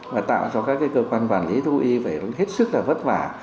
và tạo cho các cơ quan quản lý thu y phải hết sức là vất vả